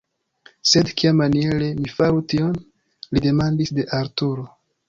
"Sed kiamaniere mi faru tion?!" Li demandis de Arturo!